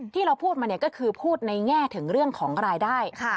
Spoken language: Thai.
ที่เราพูดมาก็คือพูดในแง่ถึงเรื่องของรายได้